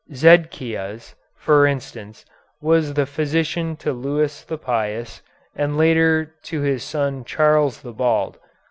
Zedkias, for instance, was the physician to Louis the Pious and later to his son Charles the Bald.